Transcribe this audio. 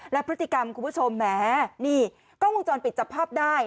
และพฤติกรรมคุณผู้ชมแหมนี่กล้องวงจรปิดจับภาพได้